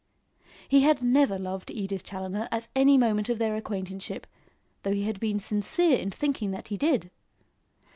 He had never loved Edith Challoner at any moment of their acquaintanceship, though he had been sincere in thinking that he did.